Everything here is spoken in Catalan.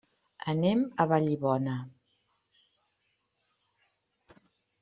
Anem a Vallibona.